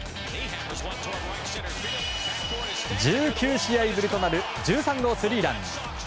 １９試合ぶりとなる１３号スリーラン！